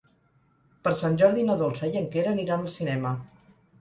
Per Sant Jordi na Dolça i en Quer aniran al cinema.